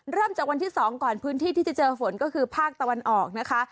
เริ่มจากวันที่๒ก่อนพื้นที่ที่จะเจอฝนก็คือภาคตะวันออกนะคะ